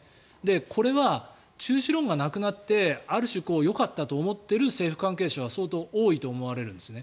これは中止論がなくなってある種、よかったと思っている政府関係者は相当多いと思われるんですね。